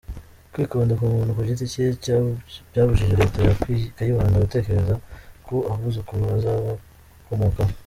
Kwikunda kw’umuntu ku giti cye byabujije leta ya Kayibanda gutekereza ku abuzukuru bazabakomokaho.